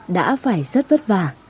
đã phải rất vất vả